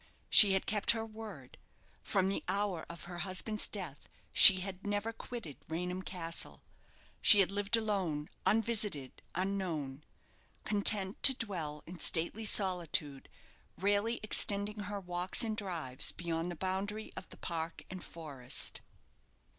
She had kept her word. From the hour of her husband's death she had never quitted Raynham Castle. She had lived alone, unvisited, unknown; content to dwell in stately solitude, rarely extending her walks and drives beyond the boundary of the park and forest.